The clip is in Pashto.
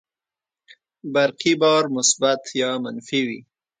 برقي بار مثبت یا منفي وي.